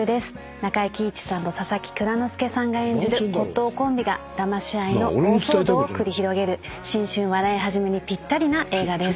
中井貴一さんと佐々木蔵之介さんが演じる骨董コンビがだまし合いの大騒動を繰り広げる新春笑いはじめにぴったりな映画です。